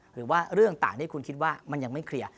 หรือว่าเรื่องต่างที่คุณคิดว่ามันยังไม่เคลียร์